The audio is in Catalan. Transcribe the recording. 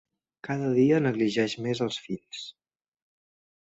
Cada dia negligeix més els fills.